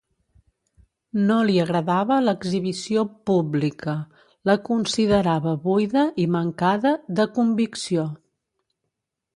No li agradava l'exhibició pública, la considerava buida i mancada de convicció.